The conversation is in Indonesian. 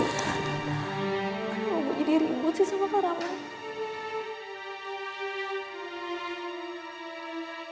kak kakak aman